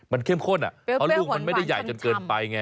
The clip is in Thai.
มันเข้มข้นเพราะลูกมันไม่ได้ใหญ่จนเกินไปไง